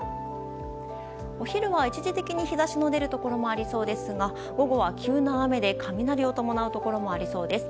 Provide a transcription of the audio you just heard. お昼は一時的に日差しの出るところもありそうですが午後は急な雨で雷を伴うところもありそうです。